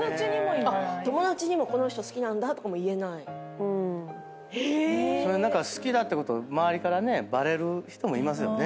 友達にも「この人好きなんだ」とかも言えない⁉好きだってこと周りからねバレる人もいますよね。